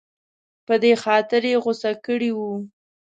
په دې خاطر یې غوسه کړې وه.